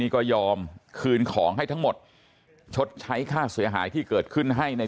ก็ยอมคืนของให้ทั้งหมดชดใช้ค่าเสียหายที่เกิดขึ้นให้ใน